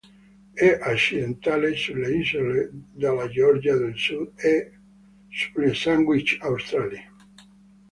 È accidentale sulle isole della Georgia del Sud e sulle Sandwich Australi.